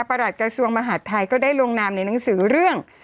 หลัดกระทรวงมหาดไทยก็ได้ลงนามในหนังสือเรื่อง